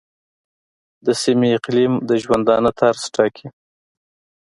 د سیمې اقلیم د ژوندانه طرز ټاکي.